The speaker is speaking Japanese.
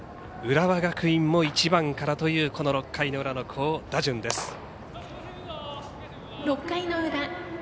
浦和学院も１番からという６回の裏の好打順です。